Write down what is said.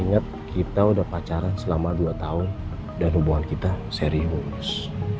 inget ya inget kita udah pacaran selama dua tahun dan hubungan kita serius